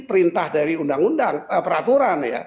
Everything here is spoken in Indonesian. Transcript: perintah dari peraturan